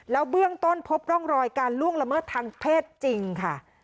แล้วเบื้องต้นพบร่องรอยการล่วงละเมิดทางเพศจริงค่ะ